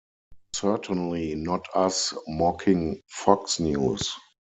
Certainly not us mocking Fox News.